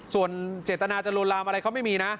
ส่วนเจตนาจะลวนลามอะไรเขาไม่มีนะ